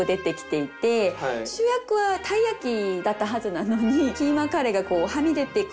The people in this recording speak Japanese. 主役はたい焼きだったはずなのにキーマカレーがはみ出てくる